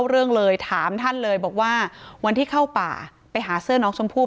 เรื่องเลยถามท่านเลยบอกว่าวันที่เข้าป่าไปหาเสื้อน้องชมพู่